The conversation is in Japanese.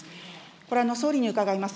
これは総理に伺います。